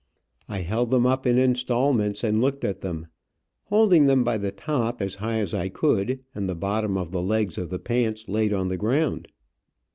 I held them up in installments, and looked at them. Holding them by the top, as high as I could, and the bottom of the legs of the pants laid on the ground.